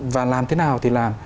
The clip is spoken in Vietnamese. và làm thế nào thì làm